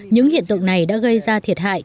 những hiện tượng này đã gây ra thiệt hại